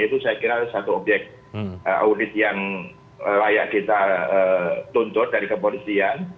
itu saya kira satu objek audit yang layak kita tuntut dari kepolisian